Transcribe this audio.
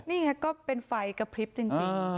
นี่ไงก็เป็นไฟกระพริบจริง